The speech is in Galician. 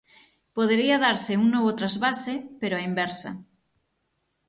Podería darse un novo transvase, pero á inversa.